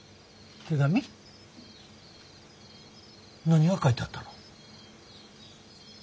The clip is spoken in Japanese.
何が書いてあったの？